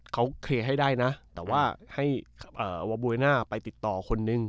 เขาเคลียร์ให้ได้นะแต่ว่าให้วาบูเวน่าไปติดต่อคนนึง